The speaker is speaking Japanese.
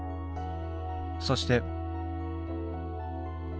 そして。